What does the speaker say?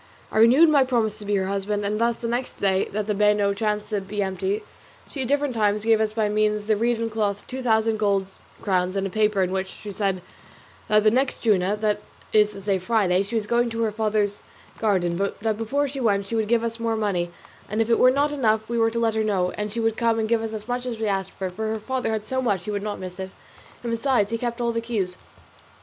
I renewed my promise to be her husband; and thus the next day that the bano chanced to be empty she at different times gave us by means of the reed and cloth two thousand gold crowns and a paper in which she said that the next Juma, that is to say Friday, she was going to her father's garden, but that before she went she would give us more money; and if it were not enough we were to let her know, as she would give us as much as we asked, for her father had so much he would not miss it, and besides she kept all the keys.